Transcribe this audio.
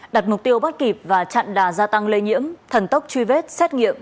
đặt mục tiêu bắt kịp và chặn đà gia tăng lây nhiễm thần tốc truy vết xét nghiệm